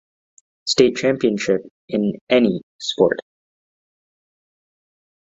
State Championship in any sport.